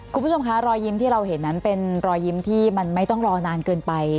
คุณผู้ชมคะรอยยิ้มที่เราเห็นนั้นเป็นรอยยิ้มที่มันไม่ต้องรอนานเกินไป